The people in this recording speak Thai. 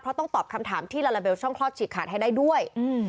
เพราะต้องตอบคำถามที่ลาลาเบลช่องคลอดฉีกขาดให้ได้ด้วย